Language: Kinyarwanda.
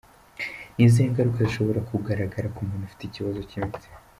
Ni izihe ngaruka zishobora kugaragara ku muntu ufite ikibazo cy’imitsi?.